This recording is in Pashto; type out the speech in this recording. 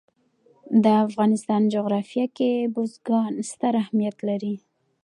د افغانستان جغرافیه کې بزګان ستر اهمیت لري.